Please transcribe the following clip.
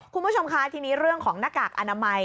คุณผู้ชมคะทีนี้เรื่องของหน้ากากอนามัย